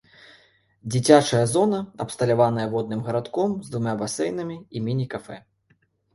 Дзіцячая зона абсталяваная водным гарадком з двума басейнамі і міні-кафэ.